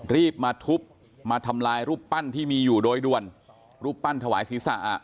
รีบมาทุบมาทำลายรูปปั้นที่มีอยู่โดยด่วนรูปปั้นถวายศีรษะอ่ะ